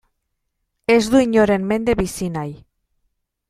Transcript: Ez du inoren mende bizi nahi.